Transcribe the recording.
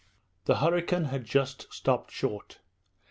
The hurricane had just stopped short.